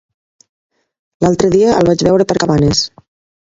L'altre dia el vaig veure per Cabanes.